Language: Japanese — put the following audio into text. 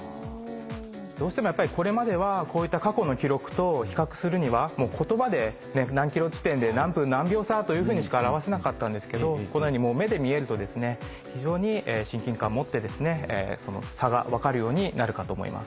どうしてもこれまではこういった過去の記録と比較するには言葉で何ｋｍ地点で何分何秒差というふうにしか表せなかったんですけどこのように目で見えると非常に親近感を持ってその差が分かるようになるかと思います。